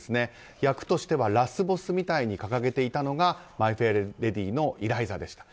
役としてはラスボスみたいに掲げていたのが「マイ・フェア・レディ」のイライザでしたと。